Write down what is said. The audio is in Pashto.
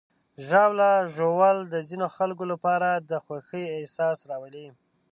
ژاوله ژوول د ځینو خلکو لپاره د خوښۍ احساس راولي.